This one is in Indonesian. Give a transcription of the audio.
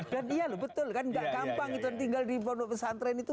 dan iya loh betul kan gak gampang itu tinggal di pondok pesantren itu